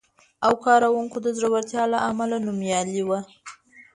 او کارونکو د زړورتیا له امله نومیالی و،